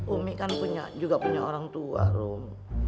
umi kan juga punya orang tua rum